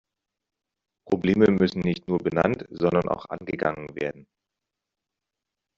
Probleme müssen nicht nur benannt, sondern auch angegangen werden.